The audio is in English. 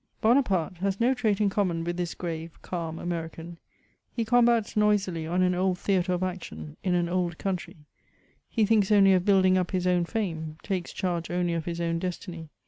Bonaparte has no trait in common with this grave, calm Ame rican ; he combats noisily on an old theatre of action, in an old country ; he thinks only of building up his own fame, takes charge only of his own destiny.